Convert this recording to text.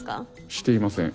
していません。